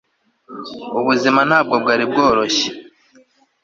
ubuzima ntabwo bwari bworoshye